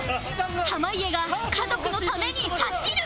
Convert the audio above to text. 濱家が家族のために走る！